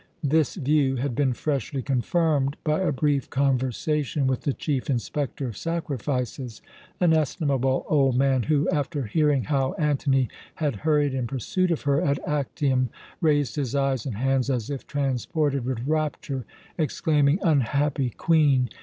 This view had been freshly confirmed by a brief conversation with the chief Inspector of Sacrifices, an estimable old man, who, after hearing how Antony had hurried in pursuit of her at Actium, raised his eyes and hands as if transported with rapture, exclaiming: "Unhappy Queen!